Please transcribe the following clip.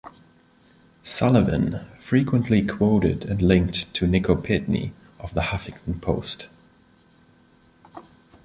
Sullivan frequently quoted and linked to Nico Pitney of "The Huffington Post".